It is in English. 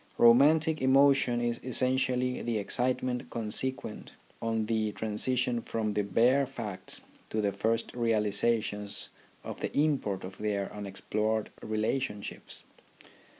Romantic emotion is essentially the excitement consequent on the transition from the bare facts to the first realizations of the import of their unexplored relationships.